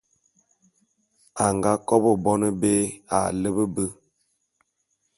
A nga kobô bone bé a lepe be.